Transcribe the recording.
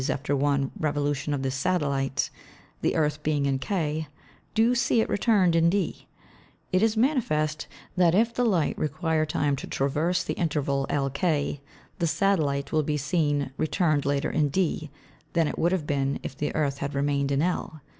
_ after one Revolution of this Satellit) the Earth being in K, do see it return'd in D: It is manifest, that if the Light require time to traverse the Interval LK, the Satellit will be seen return'd later in D, than it would have been if the Earth had remained in L.